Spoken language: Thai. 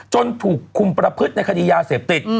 ถูกคุมประพฤติในคดียาเสพติด